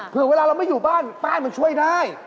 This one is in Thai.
เวลาเราไม่อยู่บ้านป้ายมันช่วยได้